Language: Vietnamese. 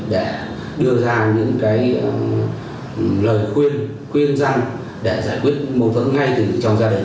để đưa ra những lời khuyên khuyên răng để giải quyết mâu thuẫn ngay từ trong gia đình